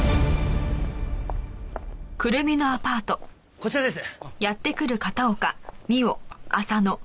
こちらです。